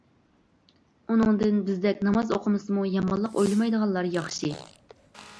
ئۇنىڭدىن بىزدەك ناماز ئوقۇمىسىمۇ يامانلىق ئويلىمايدىغانلار ياخشى!